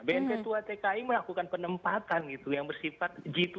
bnp dua tki melakukan penempatan gitu yang bersifat g dua puluh